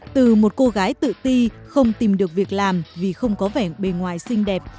từ một cô gái tự ti không tìm được việc làm vì không có vẻ bề ngoài xinh đẹp